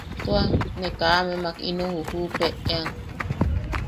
Tua, ne kaa amemak ino ujuʼupeʼean.